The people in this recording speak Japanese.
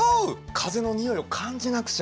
風の匂いを感じなくちゃ。